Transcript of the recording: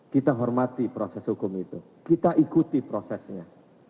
kita hormati proses hukum itu kita ikuti prosesnya